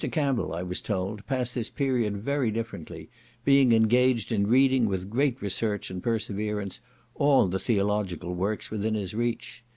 Campbell, I was told, passed this period very differently, being engaged in reading with great research and perseverance all the theological works within his reach.